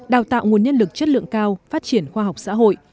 đào tạo nguồn nhân lực chất lượng cao phát triển khoa học xã hội